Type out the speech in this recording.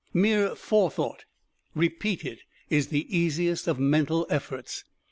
Mere forethought repeated is the easiest of mental efforts.